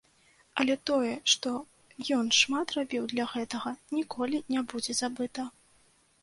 Але тое, што ён шмат рабіў для гэтага, ніколі не будзе забыта.